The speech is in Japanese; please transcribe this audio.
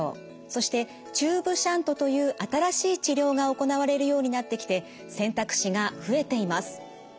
そしてチューブシャントという新しい治療が行われるようになってきて選択肢が増えています。